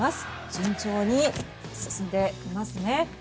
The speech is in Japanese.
順調に進んでいますね。